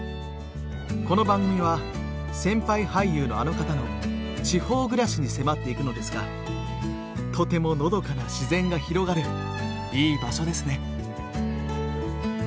この番組は先輩俳優のあの方の地方暮らしに迫っていくのですがとてものどかな自然が広がるいい場所ですね。